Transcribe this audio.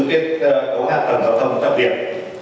tiết cấu an toàn giao thông trọng điện